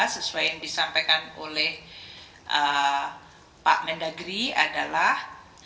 sesuai yang disampaikan oleh pak mendagri adalah